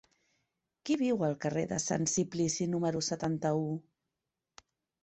Qui viu al carrer de Sant Simplici número setanta-u?